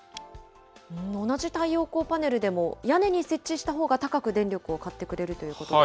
同じ太陽光パネルでも、屋根に設置したほうが高く電力を買ってくれるということですか。